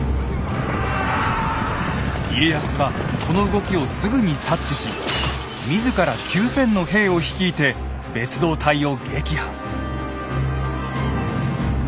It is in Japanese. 家康はその動きをすぐに察知し自ら９，０００の兵を率いて別動隊を撃破。